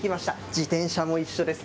自転車も一緒です。